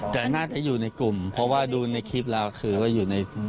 แต่น่าจะอยู่ในกลุ่มเพราะว่าดูในคลิปแล้วคือว่าอยู่ใน